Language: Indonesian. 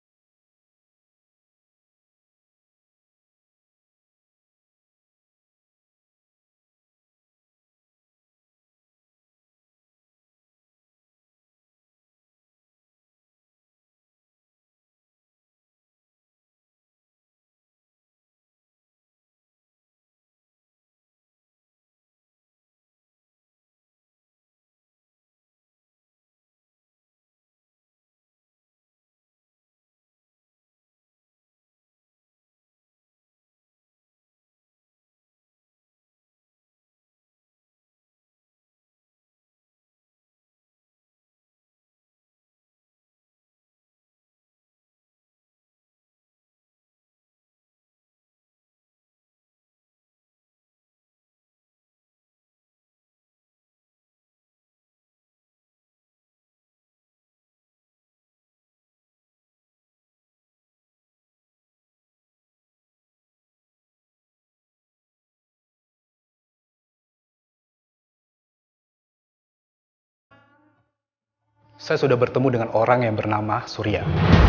saya sudah bertemu dengan orang yang bernama surya